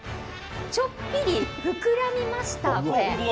ちょっぴり膨らみました。